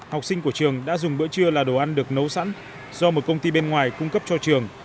học sinh của trường đã dùng bữa trưa là đồ ăn được nấu sẵn do một công ty bên ngoài cung cấp cho trường